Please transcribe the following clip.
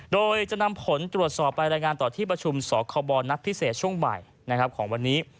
โดยจะนำผลตรวจสอบไปรายงานต่อที่ประชุมสคบนัดพิเศษช่วงบ่ายของวันนี้